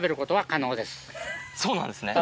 そうなんですね。